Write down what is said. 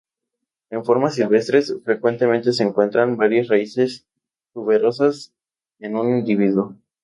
En formas silvestres frecuentemente se encuentran varias raíces tuberosas en un individuo.